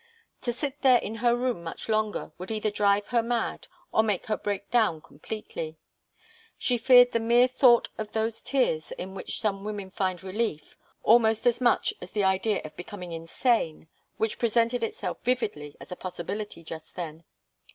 To sit there in her room much longer would either drive her mad or make her break down completely. She feared the mere thought of those tears in which some women find relief, almost as much as the idea of becoming insane, which presented itself vividly as a possibility just then.